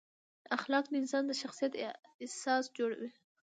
اخلاق د انسان د شخصیت اساس جوړوي.